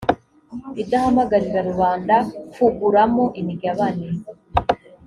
idahamagarira rubanda kuguramo imigabane